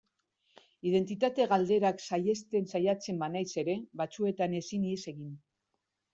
Identitate galderak saihesten saiatzen banaiz ere, batzuetan ezin ihes egin.